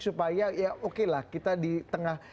supaya ya okelah kita di tengah